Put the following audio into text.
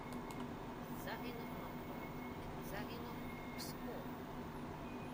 Загинув Новгород! Загинув Псков!